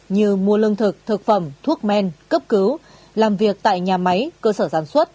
như mua lương thực thực phẩm thuốc men cấp cứu làm việc tại nhà máy cơ sở sản xuất